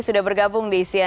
sudah bergabung di jogja